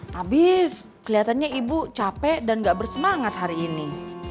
habis kelihatannya ibu capek dan gak bersemangat hari ini